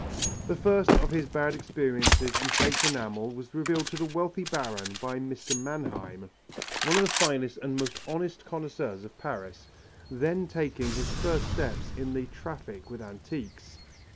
The first of his bad experiences in faked enamel was revealed to the wealthy Baron by Mr. Mannheim, one of the finest and most honest connoisseurs of Paris, then taking his first steps in the traffic with antiques.